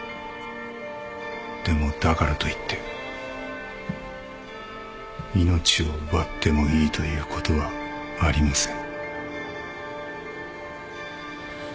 でもだからといって命を奪ってもいいということはありません。